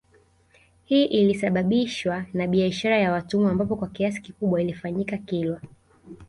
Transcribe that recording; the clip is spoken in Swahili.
Hii ilisababishwa na bishara ya watumwa ambapo kwa kiasi kikubwa ilifanyika Kilwa